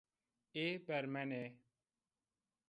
Ê bermenê